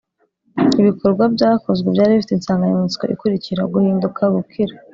Ibikorwa byakozwe byari bifite insanganyamatsiko ikurikira Guhinduka gukira